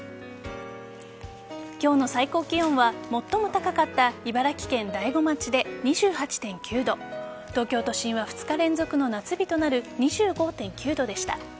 今日の最高気温は最も高かった茨城県大子町で２８．９度東京都心は２日連続の夏日となる２５．９度でした。